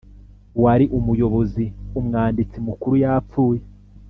uwari umuyobozi Umwanditsi Mukuru yapfuye